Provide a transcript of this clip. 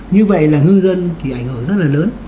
như vậy là ngư dân thì ảnh hưởng rất là lớn